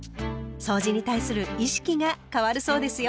そうじに対する意識が変わるそうですよ。